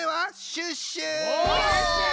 シュッシュ！